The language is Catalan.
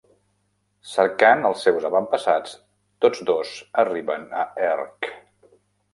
Cercant els seus avantpassats, tots dos arriben a Ercc.